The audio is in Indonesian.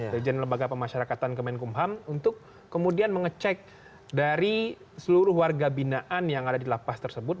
dirjen lembaga pemasyarakatan kemenkumham untuk kemudian mengecek dari seluruh warga binaan yang ada di lapas tersebut